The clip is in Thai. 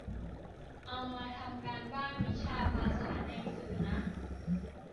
เอามาทำการบ้านวิชาภาษาในสื่อน่ะ